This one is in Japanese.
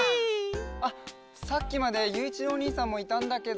さっきまでゆういちろうおにいさんもいたんだけど。